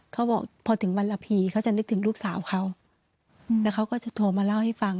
เขาบอกพอถึงวันละพีเขาจะนึกถึงลูกสาวเขาแล้วเขาก็จะโทรมาเล่าให้ฟัง